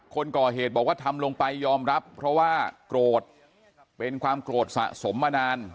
คนก่อเหตุบอกว่าทำลงไปยอมรับเพราะว่าโกรธเป็นความโกรธสะสมมานาน